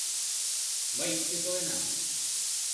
Мый тӱкыленам.